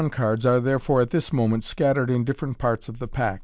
cards are therefore at this moment scattered So different parts of the pack.